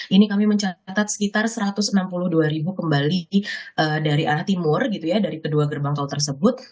ini kami mencatat sekitar satu ratus enam puluh dua ribu kembali dari arah timur dari kedua gerbang tol tersebut